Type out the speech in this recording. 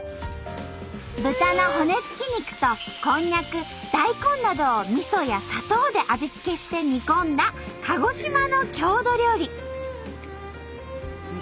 豚の骨付き肉とこんにゃく大根などをみそや砂糖で味付けして煮込んだ鹿児島の郷土料理。